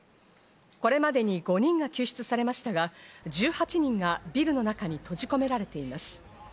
これまでに５人が救出されましたが１８人がビルの中に閉じ込められています。